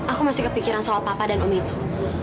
aku masih kepikiran soal papa dan om itu